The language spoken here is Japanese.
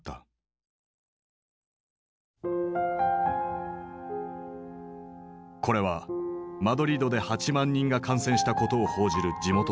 これはマドリードで８万人が感染したことを報じる地元紙。